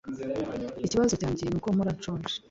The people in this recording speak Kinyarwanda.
ikibazo cyanjye nuko mpora nshonje